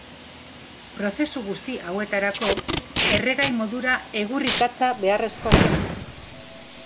Prozesu guzti hauetarako erregai modura egur-ikatza beharrezkoa zen.